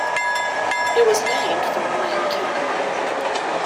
It was named from Wayne County.